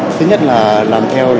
thứ nhất là làm theo